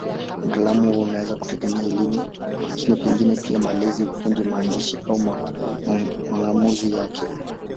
Utaalamu huo unaweza kutegemea elimu, lakini pengine pia malezi, ufundi, maandishi au mang'amuzi yake.